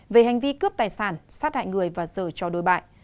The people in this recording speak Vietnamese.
về hành vi cướp tài sản sát hại người và dở cho đối bại